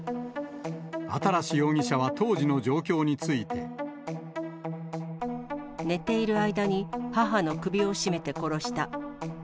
新容疑者は当時の状況について。寝ている間に母の首を絞めて殺した。